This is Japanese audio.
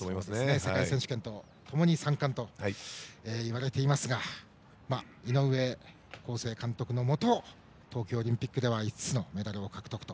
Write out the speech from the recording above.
世界選手権とともに３冠といわれていますが井上康生監督のもと東京オリンピックでは５つのメダルを獲得と。